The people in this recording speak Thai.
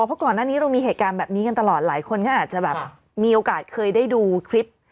เพราะก่อนหน้านี้เรามีเหตุการณ์แบบนี้กันตลอดหลายคนก็อาจจะแบบมีโอกาสเคยได้ดูคลิป